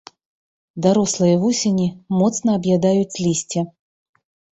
Дарослыя вусені моцна аб'ядаюць лісце.